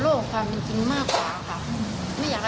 แล้วตอนนี้คุณจะทำยังไงบอกค่ะ